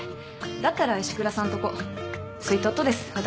だったら石倉さんとこ。好いとっとです私